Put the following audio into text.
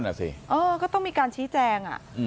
นั่นแหละสิเออก็ต้องมีการชี้แจง